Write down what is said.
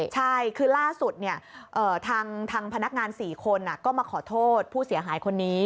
ใช่คือล่าสุดทางพนักงาน๔คนก็มาขอโทษผู้เสียหายคนนี้